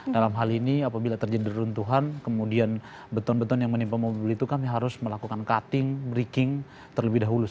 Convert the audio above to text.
dalam hal ini apabila terjadi runtuhan kemudian beton beton yang menimpa mobil itu kami harus melakukan cutting breaking terlebih dahulu